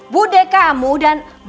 budi kamu dan mardian